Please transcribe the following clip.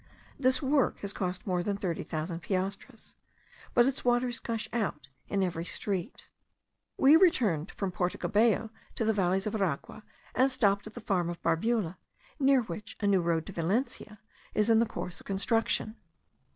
This work has cost more than thirty thousand piastres; but its waters gush out in every street. We returned from Porto Cabello to the valleys of Aragua, and stopped at the Farm of Barbula, near which, a new road to Valencia is in the course of construction.